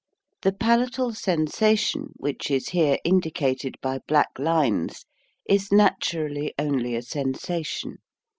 The palatal sensation which is here indi cated by black lines is naturally only a sen sation.